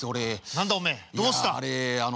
何だおめえどうした？